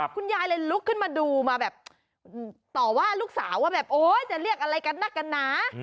คุณยายเลยลุกขึ้นมาดูมาแบบต่อว่าลูกสาวว่าแบบโอ๊ยจะเรียกอะไรกันนักกันหนา